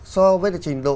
so với là trình độ